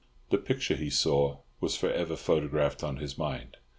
The picture he saw was for ever photographed on his mind.